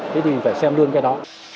thế thì phải xem đương cái đó